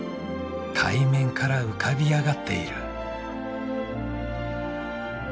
海面から浮かび上がっている。